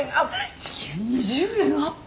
時給２０円アップ。